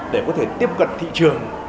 để có thể tiếp cận thị trường